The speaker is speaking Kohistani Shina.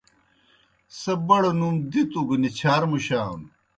سہ بڑوْ نُوم دِتوْ گہ نِچھار مُشانوْ۔